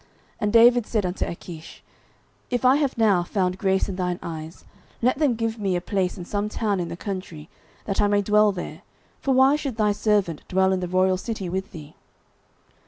09:027:005 And David said unto Achish, If I have now found grace in thine eyes, let them give me a place in some town in the country, that I may dwell there: for why should thy servant dwell in the royal city with thee?